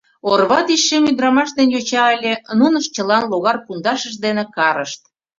Орва тич шем ӱдырамаш ден йоча ыле, нунышт чылан логар пундашышт дене карышт.